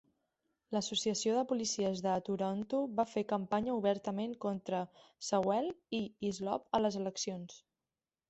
L'associació de policies de Toronto va fer campanya obertament contra Sewell i Hislop a les eleccions.